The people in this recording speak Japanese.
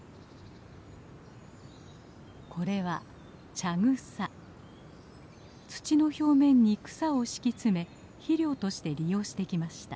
これは土の表面に草を敷き詰め肥料として利用してきました。